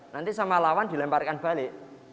nanti sama lawan dilemparkan balik